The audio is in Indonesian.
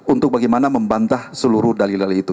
untuk bagaimana membantah seluruh dalil dalil itu